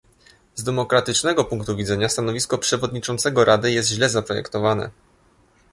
Z demokratycznego punktu widzenia stanowisko Przewodniczącego Rady jest źle zaprojektowane